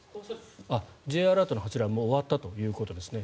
Ｊアラートの発令はもう終わったということですね。